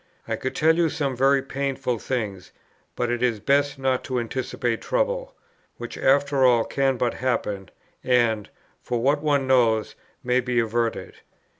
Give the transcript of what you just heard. I could tell you some very painful things; but it is best not to anticipate trouble, which after all can but happen, and, for what one knows, may be averted.